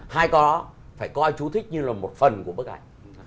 hai con đó phải coi chú thích như là một phần của bức ảnh